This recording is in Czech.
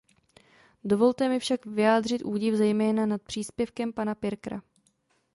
Dovolte mi však vyjádřit údiv zejména nad příspěvkem pana Pirkera.